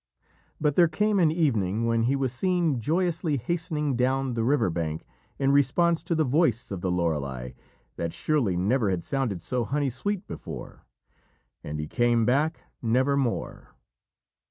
But there came an evening when he was seen joyously hastening down the river bank in response to the voice of the Lorelei, that surely never had sounded so honey sweet before, and he came back nevermore.